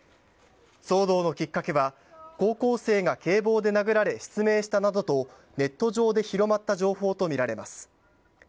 騒動のきっかけは高校生が警棒で殴られ失明したなどとネット上で広がった情報とみられます。